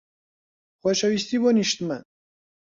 خۆشەویستی بۆ نیشتمان.